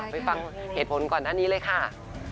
ไปฟังเหตุผลก่อนหน้านี้เลยค่ะ